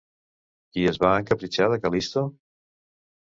Qui es va encapritxar de Cal·listo?